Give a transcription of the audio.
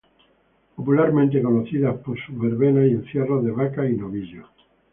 Popularmente conocidas por sus verbenas y encierros de vacas y novillos.